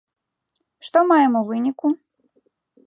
Што маем у выніку?